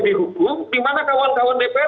dimana kawan kawan dpr teman teman